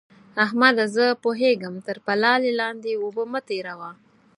احمده! زه پوهېږم؛ تر پلالې لاندې اوبه مه تېروه.